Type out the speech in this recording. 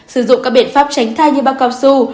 sử dụng các biện pháp tránh thai như bao cao su